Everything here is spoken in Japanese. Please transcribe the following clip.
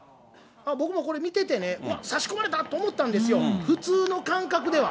僕もこれ見ててね、うわっ、差し込まれたと思ったんですよ、普通の感覚では。